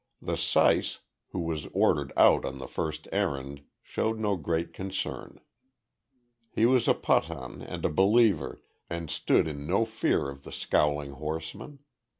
The syce, who was ordered out on the first errand, showed no great concern. He was a Pathan and a believer, and stood in no fear of the scowling horsemen.